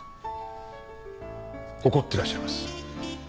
怒ってらっしゃいます。